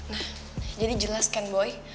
nah jadi jelas kan boy